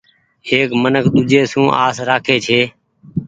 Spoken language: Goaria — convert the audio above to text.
ايڪ منک ۮيجھي سون آس رکي ڇي۔